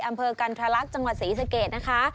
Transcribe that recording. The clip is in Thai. อำเภอกันทรลักษณ์จังหวัดศรีสเกตนะคะ